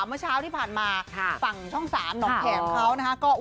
เมื่อเช้าที่ผ่านมาฝั่งช่อง๓หนองแขมเขานะฮะ